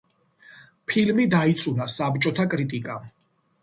ფილმი დაიწუნა საბჭოთა კრიტიკამ.